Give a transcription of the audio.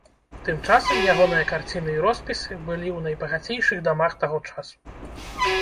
Тым часам, ягоныя карціны і роспісы былі ў найбагацейшых дамах таго часу.